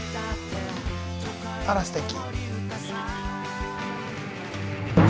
あらすてき。